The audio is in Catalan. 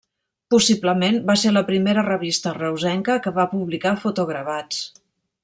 Possiblement va ser la primera revista reusenca que va publicar fotogravats.